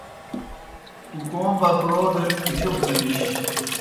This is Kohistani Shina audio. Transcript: کُکُوں بکرو دہ جوک گہ نِش۔